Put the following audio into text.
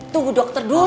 tunggu dokter dulu ngapa